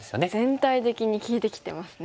全体的に利いてきてますね。